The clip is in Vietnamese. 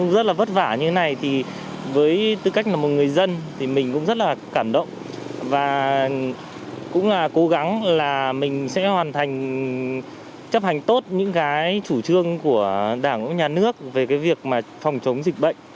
rất là vất vả như thế này thì với tư cách là một người dân thì mình cũng rất là cảm động và cũng là cố gắng là mình sẽ hoàn thành chấp hành tốt những cái chủ trương của đảng nhà nước về cái việc mà phòng chống dịch bệnh